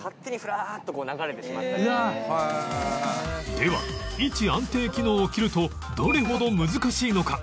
では位置安定機能を切るとどれほど難しいのか